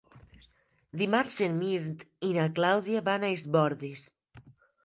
Dimarts en Mirt i na Clàudia van a Es Bòrdes.